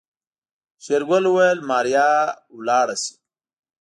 شېرګل وويل ماريا لاړه شي.